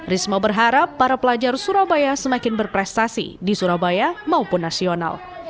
risma berharap para pelajar surabaya semakin berprestasi di surabaya maupun nasional